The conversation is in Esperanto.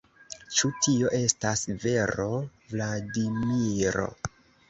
Ĉu tio estas vero, Vladimiro?